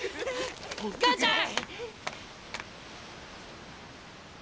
母ちゃん！